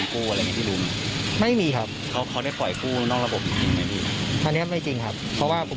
พี่ต้ำกับพี่นุ้ทเขายืนงานว่าพี่สองคนอะรักกันมาก